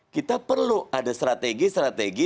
kita perlu ada strategi strategi